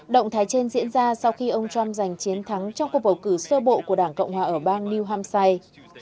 động thái trên diễn ra sau khi ông trump giành chiến thắng trong cuộc bầu cử sơ bộ của đảng cộng hòa ở bang new hampshire